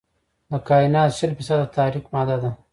د کائنات شل فیصده تاریک ماده ده.